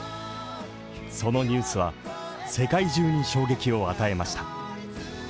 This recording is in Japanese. そのニュースは世界中に衝撃を与えました。